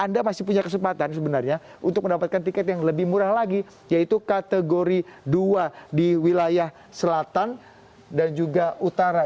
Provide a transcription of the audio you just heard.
anda masih punya kesempatan sebenarnya untuk mendapatkan tiket yang lebih murah lagi yaitu kategori dua di wilayah selatan dan juga utara